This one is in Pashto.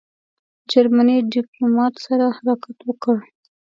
جرمني ډیپلوماټ سره حرکت وکړ.